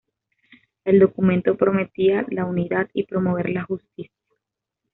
El documento prometía la unidad y promover la justicia.